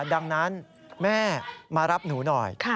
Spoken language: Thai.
ดังนั้นแม่มารับหนูหน่อย